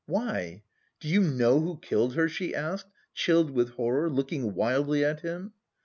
"Why, do you know who killed her?" she asked, chilled with horror, looking wildly at him.